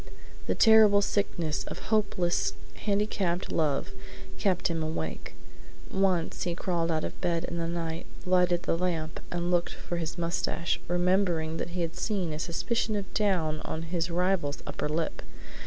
The terrible sickness of hopeless handicapped love kept him awake. Once he crawled out of bed in the night, lighted the lamp, and looked for his mustache, remembering that he had seen a suspicion of down on his rival's upper lip.